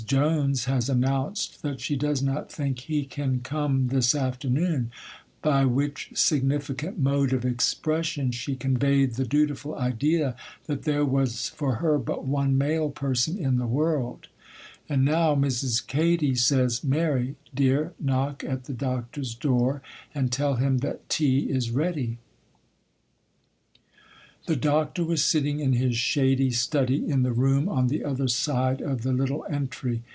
Jones has announced that she does not think 'he' can come this afternoon; by which significant mode of expression she conveyed the dutiful idea that there was for her but one male person in the world. And now Mrs. Katy says, 'Mary, dear, knock at the Doctor's door and tell him that tea is ready.' [Illustration: Theological Tea Sampson Low, Son & Co. Jany 24, 1859 Page 37.] The Doctor was sitting in his shady study, in the room on the other side of the little entry.